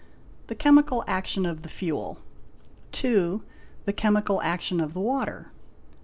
The chemical action of the fuel. 8B. The chemical action of the water.